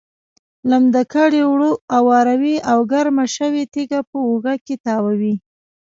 لمده کړې اوړه اواروي او ګرمه شوې تیږه په اوړو کې تاووي.